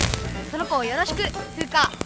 その子をよろしくフウカ。